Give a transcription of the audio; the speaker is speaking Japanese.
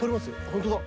本当だ。